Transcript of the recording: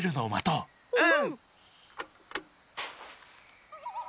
うん。